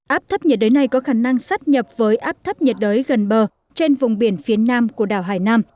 áp thấp nhiệt đới này có khả năng sát nhập với áp thấp nhiệt đới gần bờ trên vùng biển phía nam của đảo hải nam